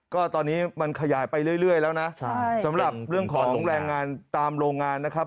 ก็ตอนนี้มันขยายไปเรื่อยแล้วนะสำหรับเรื่องของแรงงานตามโรงงานนะครับ